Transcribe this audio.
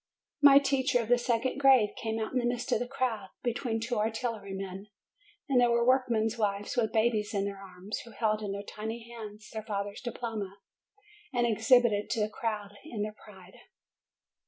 My teacher of the second grade came out in the midst of the crowd, between two artillery men. And there were work men's wives with babies in their arms, who held in their tiny hands their father's diploma, and exhibited it to the crowd in their pride.